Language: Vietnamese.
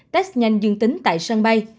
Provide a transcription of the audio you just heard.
test nhanh dương tính tại sân bay